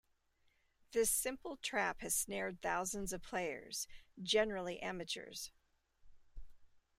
This simple trap has snared thousands of players, generally amateurs.